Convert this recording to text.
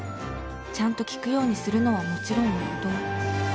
ちゃんと利くようにするのはもちろんのこと。